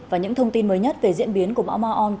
và những thông tin mới nhất về diễn biến của mão ma on